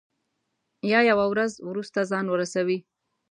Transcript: یا یوه ورځ وروسته ځان ورسوي.